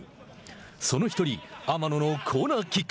その１人、天野のコーナーキック。